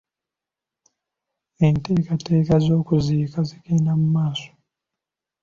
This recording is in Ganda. Enteekateeka z'okuziika zigenda mu maaso.